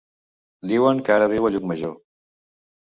Diuen que ara viu a Llucmajor.